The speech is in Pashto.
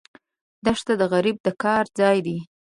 دښته د غریب د کار ځای ده.